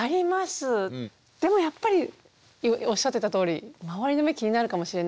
でもやっぱりおっしゃってたとおり周りの目気になるかもしれないですね。